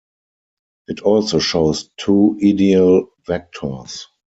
It also shows two ideal vectors.